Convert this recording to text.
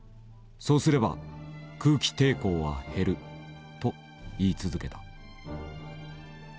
そうすれば空気抵抗は減る」と言い続けた。